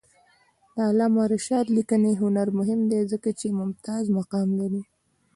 د علامه رشاد لیکنی هنر مهم دی ځکه چې ممتاز مقام لري.